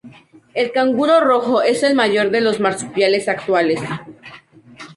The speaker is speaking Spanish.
El canguro rojo es el mayor de los marsupiales actuales.